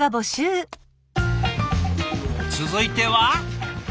続いては。